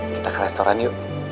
kita ke restoran yuk